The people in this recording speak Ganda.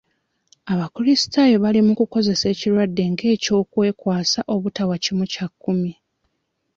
Abakulisitayo bali mu kukozesa kirwadde ng'ekyokwekwaasa obutawa kimu kya kkumi.